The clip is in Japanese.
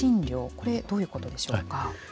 これ、どういうことでしょうか。